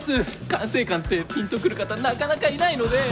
管制官ってピンとくる方なかなかいないので。